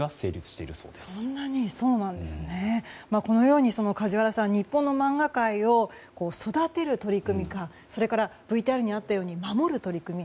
このように、梶原さん日本の漫画界を育てる取り組みやそれから、ＶＴＲにあったように守る取り組み。